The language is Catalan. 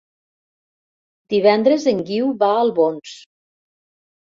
Divendres en Guiu va a Albons.